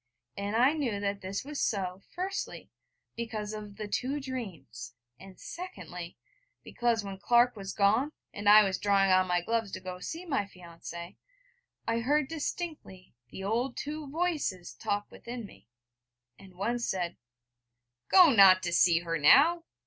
And I knew that this was so, firstly, because of the two dreams, and secondly, because, when Clark was gone, and I was drawing on my gloves to go to see my fiancée, I heard distinctly the old two Voices talk within me: and One said: 'Go not to see her now!'